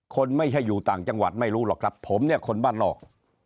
คนไม่ใช่อยู่ต่างจังหวัดไม่รู้หรอกครับผมเนี่ยคนบ้านนอก